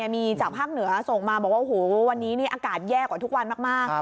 มีจากภาคเหนือส่งมาบอกว่าโอ้โหวันนี้อากาศแย่กว่าทุกวันมาก